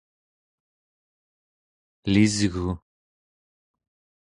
elisgu!